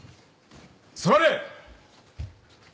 座れ。